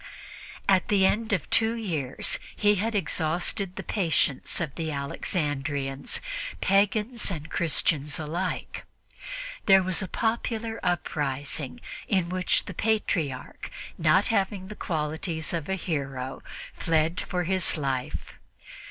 At the end of two years he had exhausted the patience of the Alexandrians, pagans and Christians alike. There was a popular rising, in which the Patriarch, not having the qualities of a hero, fled for his life.